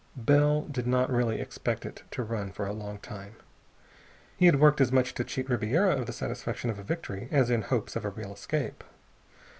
Bell did not really expect it to run for a long time. He had worked as much to cheat Ribiera of the satisfaction of a victory as in hopes of a real escape.